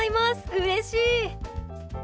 うれしい！